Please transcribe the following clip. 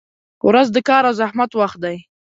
• ورځ د کار او زحمت وخت دی.